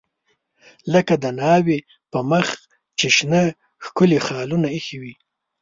لکه د ناوې په مخ چې شنه ښکلي خالونه ایښي وي.